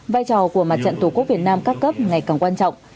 vai trò của mặt trận tổ quốc việt nam các cấp ngày càng quan trọng